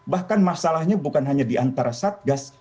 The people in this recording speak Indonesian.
bahkan masalahnya bukan hanya di antara satgas